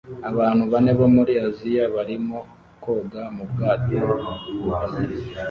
Abantu bane bo muri Aziya barimo koga mu bwato butatu